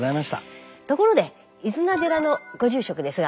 ところで飯縄寺のご住職ですが。